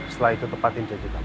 setelah itu tepatin janji kamu